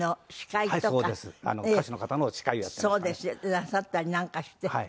なさったりなんかして。